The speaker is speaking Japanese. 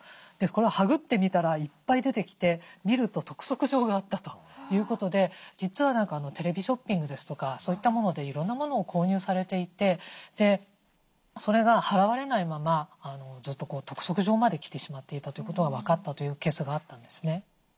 これをはぐってみたらいっぱい出てきて見ると督促状があったということで実はテレビショッピングですとかそういったものでいろんなものを購入されていてでそれが払われないままずっと督促状まで来てしまっていたということが分かったというケースがあったんですね。